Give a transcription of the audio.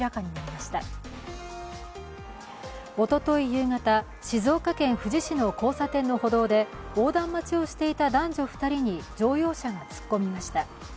夕方、静岡県富士市の交差点の歩道で横断待ちをしていた男女２人に乗用車が突っ込みました。